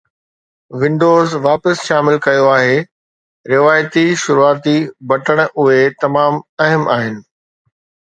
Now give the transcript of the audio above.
windows واپس شامل ڪيو آهي روايتي شروعاتي بٽڻ اهي تمام اهم آهن